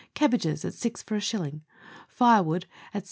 Cabbages, at six for a shilling. Firewood, at 7s.